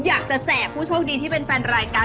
อยากจะแจกผู้โชคดีที่เป็นแฟนรายการ